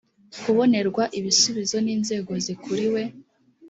kubonerwa ibisubizo n inzego zikuriwe